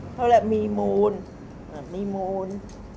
เขาแหละมีมูล